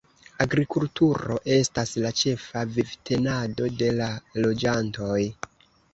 Agrikulturo estas la ĉefa vivtenado de la loĝantoj.